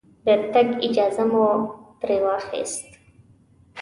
د تګ اجازه مو ترې واخسته.